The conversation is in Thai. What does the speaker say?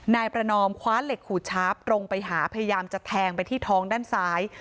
นายประนอมคว้าเหล็กขูดชาร์ฟตรงไปหาพยายามจะแทงไปที่ท้องด้านซ้าย